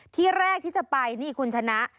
ที่แรกที่จะไปนี่คุณชนะ